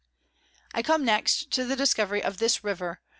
I come next to the Discovery of this River.